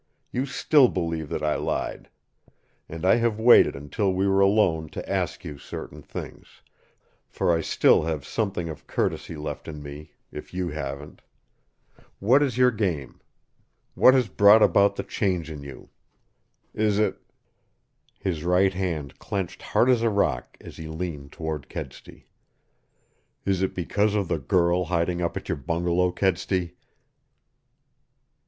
You still believe that I lied. And I have waited until we were alone to ask you certain things, for I still have something of courtesy left in me, if you haven't. What is your game? What has brought about the change in you? Is it " His right hand clenched hard as a rock as he leaned toward Kedsty. "Is it because of the girl hiding up at your bungalow, Kedsty?"